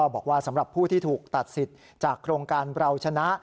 บอกว่าสำหรับผู้ที่ถูกตัดสิทธิ์จากโครงการเราชนะ